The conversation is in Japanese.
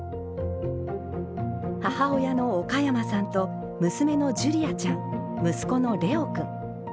母親の岡山さんと娘のジュリアちゃん息子のレオくん。